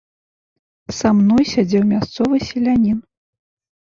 Са мной сядзеў мясцовы селянін.